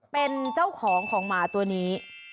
เป็นเจ้าของของหมาตัวนี้